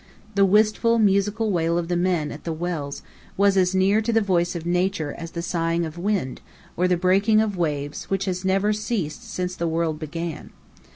The wistful, musical wail of the men at the wells was as near to the voice of Nature as the sighing of wind, or the breaking of waves which has never ceased since the world began.